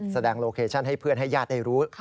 แสดงโลเคชั่นให้เพื่อนและญาติได้รู้